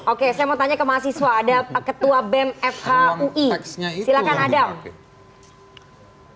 oke saya mau tanya ke mahasiswa ada